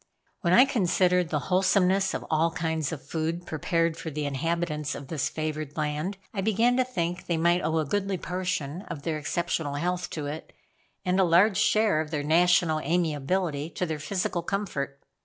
When I considered the wholesomeness of all kinds of food prepared for the inhabitants of this favored land. I began to think they might owe a goodly portion of their exceptional health to it, and a large share of their national amiability to their physical comfort.